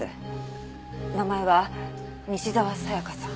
名前は西沢紗香さん。